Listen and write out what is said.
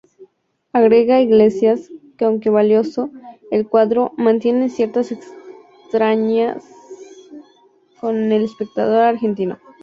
Agrega Iglesias que aunque valioso, el cuadro "mantiene cierta extrañeza con el espectador argentino.